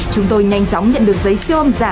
chúng tôi nhanh chóng nhận được giấy siêu âm giả